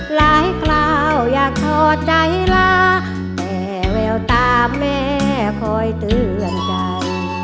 หลายคราวอยากเข้าใจละแต่แววตามแม่คอยเตือนใจ